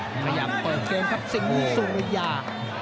พยายามเปิดเกมครับสิงห์สุริยา